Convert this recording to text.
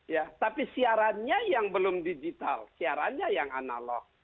ya tapi siarannya yang belum digital siarannya yang analog